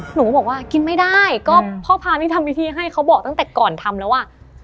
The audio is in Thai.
หนูก็บอกว่ากินไม่ได้ก็พ่อพานี่ทำวิธีให้เขาบอกตั้งแต่ก่อนทำแล้วว่า